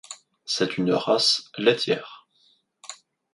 C'est une race laitière.